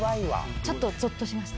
ちょっとぞっとしました。